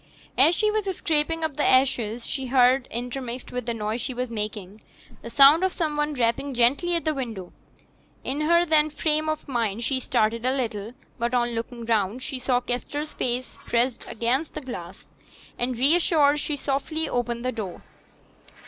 As she was scraping up the ashes, she heard, intermixed with the noise she was making, the sound of some one rapping gently at the window. In her then frame of mind she started a little; but on looking round, she saw Kester's face pressed against the glass, and, reassured, she softly opened the door.